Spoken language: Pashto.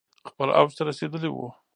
خپل اوج ته رسیدلي ؤ